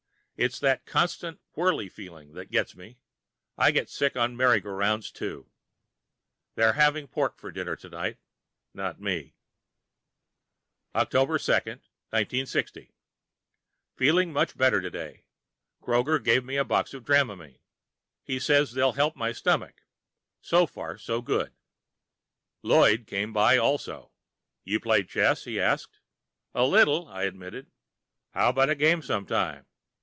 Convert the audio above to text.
It's that constant whirly feeling that gets me. I get sick on merry go rounds, too. They're having pork for dinner today. Not me. October 2, 1960 Feeling much better today. Kroger gave me a box of Dramamine pills. He says they'll help my stomach. So far, so good. Lloyd came by, also. "You play chess?" he asked. "A little," I admitted. "How about a game sometime?"